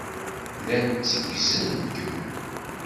Llan tteggzen-kem.